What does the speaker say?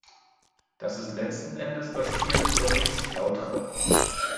Das ist letzten Endes das Ziel des Berichts Flautre.